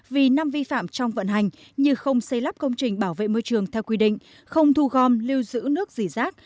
vì năm vi phạm trong vận hành như không xây lắp công trình bảo vệ môi trường theo quy định không thu gom lưu giữ nước dỉ rác